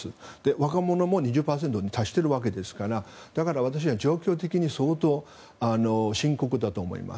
若者も２０％に達しているわけですから私、状況的には相当、深刻だと思います。